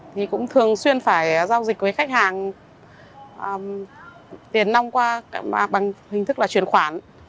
thì cũng thường xuyên phải giao dịch với khách hàng tiền năm qua bằng hình thức là chuyển khoản